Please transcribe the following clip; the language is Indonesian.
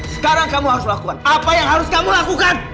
sekarang kamu harus lakukan apa yang harus kamu lakukan